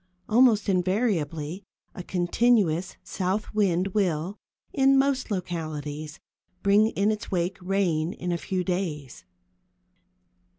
Almost invariably a continuous south wind will, in most localities, bring in its wake rain in a few days.